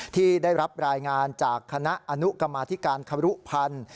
ที่ได้รับรายงานจากคณะอนุกรรมาธิการครุพันธ์